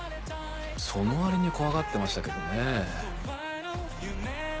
その割に怖がってましたけどね。